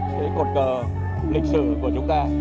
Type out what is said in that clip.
cái cột cờ lịch sử của chúng ta